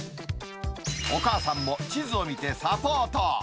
お母さんも地図を見てサポート。